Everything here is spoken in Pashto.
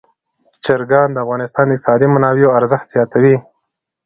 چرګان د افغانستان د اقتصادي منابعو ارزښت زیاتوي.